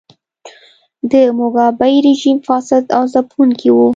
د موګابي رژیم فاسد او ځپونکی و.